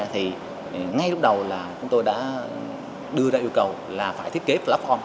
thì ngay lúc đầu là chúng tôi đã đưa ra yêu cầu là phải thiết kế platform